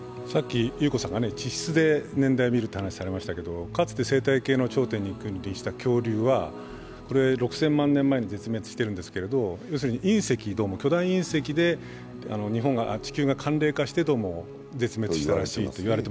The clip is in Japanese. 優子さんが地質で年代を見るっていう話をされましたがかつて生態系の頂点に君臨した恐竜は６０００万年前に絶滅してるんですけど巨大隕石で地球が寒冷化してどうも絶滅したらしいんです。